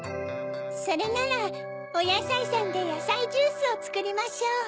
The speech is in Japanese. それならおやさいさんでやさいジュースをつくりましょう。